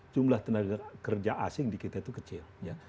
jumlah tenaga kerja asing di kita itu kecil